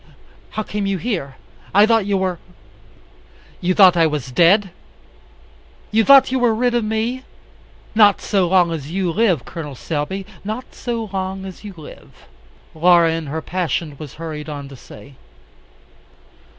How came you here? I thought you were " "You thought I was dead? You thought you were rid of me? Not so long as you live, Col. Selby, not so long as you live," Laura in her passion was hurried on to say.